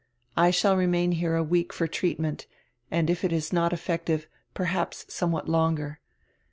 I shall remain here a week for treatment, and if it is not effective, perhaps somewhat longer.